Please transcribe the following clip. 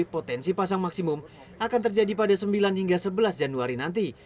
potensi pasang maksimum akan terjadi pada sembilan hingga sebelas januari nanti